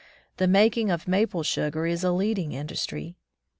The making of maple sugar is a leading industry.